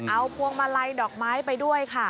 เอาพวงมาลัยดอกไม้ไปด้วยค่ะ